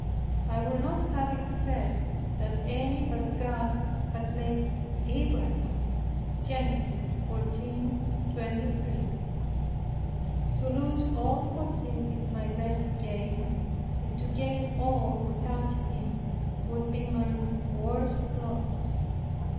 I would not have it said that any but God had made Abraham rich. Gen. 14:23. To lose all for Him is my best gain; and to gain all without Him would be my worst loss.